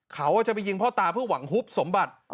เขาจะไปยิงพ่อตาเพื่อหวังฮุบสมบัติ